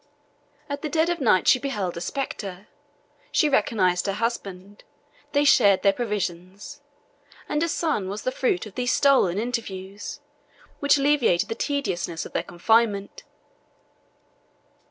At the dead of night she beheld a spectre; she recognized her husband: they shared their provisions; and a son was the fruit of these stolen interviews, which alleviated the tediousness of their confinement.